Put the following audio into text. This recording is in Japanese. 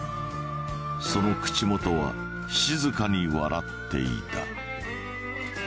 その口元は静かに笑っていた。